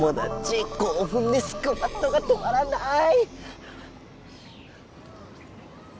こうふんでスクワットが止まらない！